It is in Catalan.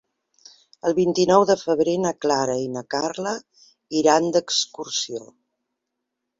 El vint-i-nou de febrer na Clara i na Carla iran d'excursió.